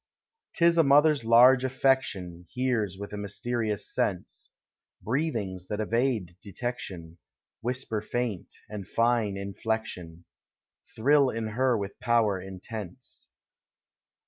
'T is a mother's large affection Hears with a mysterious sense, — Breathings that evade detection, Whisper faint, and fine iulleetion. Thrill in her with power intense.